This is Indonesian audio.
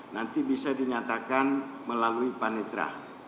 nanti bisa dinyatakan melalui panitra